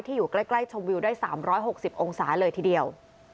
อยู่ใกล้ชมวิวได้๓๖๐องศาเลยทีเดียว